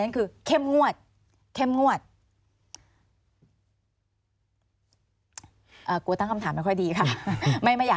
คือตอนนี้เนี่ย